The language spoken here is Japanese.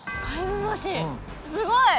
すごい。